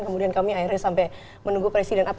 kemudian kami akhirnya sampai menunggu presiden